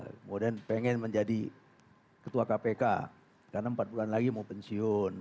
kemudian pengen menjadi ketua kpk karena empat bulan lagi mau pensiun